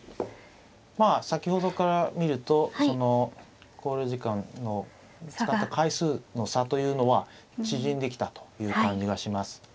まあ先ほどから見ると考慮時間の使った回数の差というのは縮んできたという感じがします。